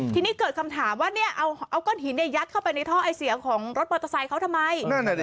ทีนี้เกิดคำถามว่าเอาก้อนหินยัดเข้าไปในท่อไอเสียของรถมอเตอร์ไซค์เขาทำไม